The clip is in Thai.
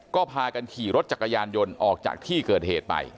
ก็พากันขี่รถจักรยานยนต์ออกจากที่เกิดเหตุไป